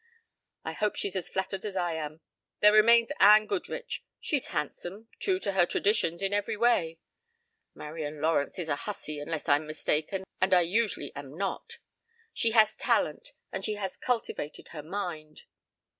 I hope she's as flattered as I am. There remains Anne Goodrich. She's handsome, true to her traditions in every way Marian Lawrence is a hussy unless I'm mistaken and I usually am not she has talent and she has cultivated her mind.